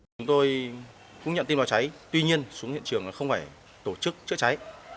chúng tôi cũng nhận tin báo cháy tuy nhiên xuống hiện trường không phải tổ chức chữa cháy